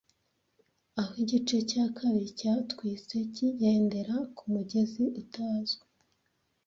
Aho igice cya kabiri cyatwitse kigendera kumugezi utazwi,